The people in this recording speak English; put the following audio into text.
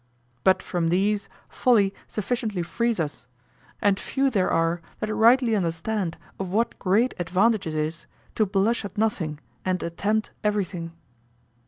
But from these folly sufficiently frees us, and few there are that rightly understand of what great advantage it is to blush at nothing and attempt everything.